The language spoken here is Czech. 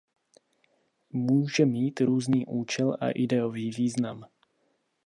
Může mít různý účel a ideový význam.